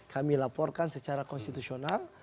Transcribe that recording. kami laporkan secara konstitusional